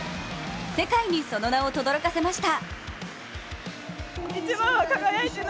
世界にその名をとどろかせました。